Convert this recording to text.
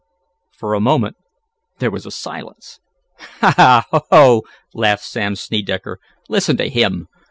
For a moment there was a silence. "Ha! Ha! Ho! Ho!" laughed Sam Snedecker. "Listen to him!